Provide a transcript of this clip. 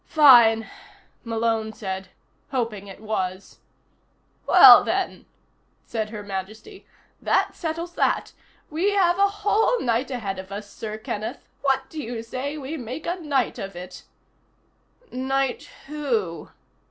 "Fine," Malone said, hoping it was. "Well, then," said Her Majesty, "that settles that. We have a whole night ahead of us, Sir Kenneth. What do you say we make a night of it?" "Knight who?"